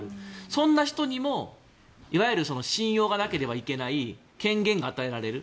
そんな人にもいわゆる信用がなければいけない権限が与えられる。